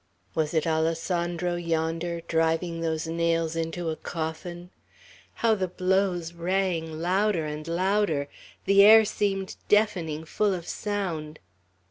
Was it Alessandro yonder, driving those nails into a coffin? How the blows rang, louder and louder! The air seemed deafening full of sound.